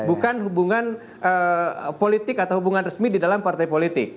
bukan hubungan politik atau hubungan resmi di dalam partai politik